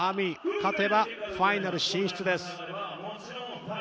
勝てばファイナル進出です。